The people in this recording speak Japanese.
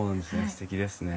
すてきですね。